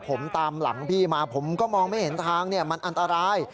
ผมตามหลังพี่มาผมก็มองไม่เห็นทางมันอันตราย